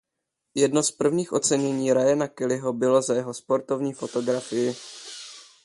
Jedno z prvních ocenění Ryana Kellyho bylo za jeho sportovní fotografii.